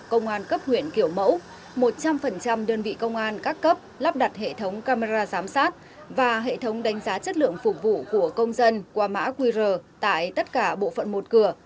công an cấp huyện kiểu mẫu một trăm linh đơn vị công an các cấp lắp đặt hệ thống camera giám sát và hệ thống đánh giá chất lượng phục vụ của công dân qua mã qr tại tất cả bộ phận một cửa